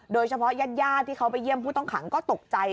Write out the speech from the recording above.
โดยเฉพาะญาติย่าที่เขาไปเยี่ยมผู้ต้องขังก็ตกใจ